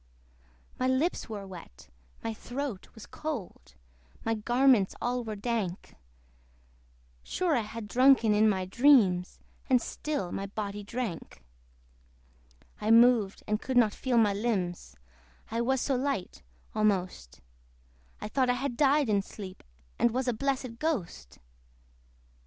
My lips were wet, my throat was cold, My garments all were dank; Sure I had drunken in my dreams, And still my body drank. I moved, and could not feel my limbs: I was so light almost I thought that I had died in sleep, And was a blessed ghost.